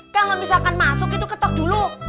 kalau misalkan masuk itu ketok dulu